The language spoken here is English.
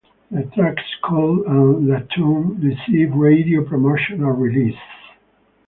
The tracks "Kool" and "La Tune" received radio promotional release.